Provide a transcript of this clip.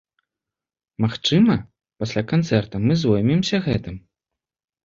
Магчыма, пасля канцэрта мы зоймемся гэтым.